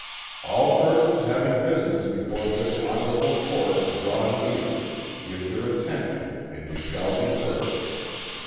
"All persons having business before this honorable court draw near, give your attention, and you shall be heard!"